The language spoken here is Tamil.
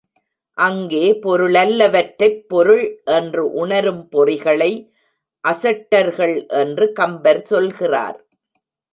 அங்கே பொருளல்ல வற்றைப் பொருள் என்று உணரும் பொறிகளை அசட்டர்கள் என்று கம்பர் சொல்கிறார்.